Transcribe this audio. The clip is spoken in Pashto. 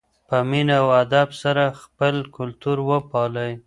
په مینه او ادب سره خپل کلتور وپالئ.